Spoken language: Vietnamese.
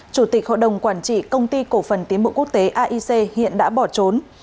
chủ tịch hội đồng quản trị công ty cổ phần tiến bộ quốc tế aic hiện đã bỏ trốn